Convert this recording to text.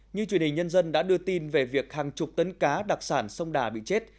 như truyền hình nhân dân đã đưa tin về việc hàng chục tấn cá đặc sản sông đà bị chết